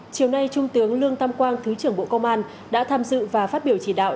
chiều nay trung tướng lương tam quang thứ trưởng bộ công an đã tham dự và phát biểu chỉ đạo